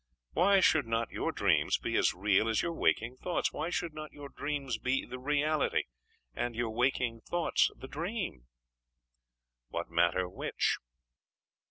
Why should not your dreams be as real as your waking thoughts? Why should not your dreams be the reality, and your waking thoughts the dream? What matter which?